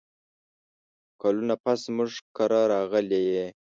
کلونه پس زموږ کره راغلې یې !